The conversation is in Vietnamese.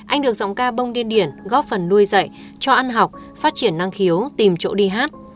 anh được giọng ca bông điên điển góp phần nuôi dạy cho ăn học phát triển năng khiếu tìm chỗ đi hát